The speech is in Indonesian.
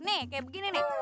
nih kayak begini nih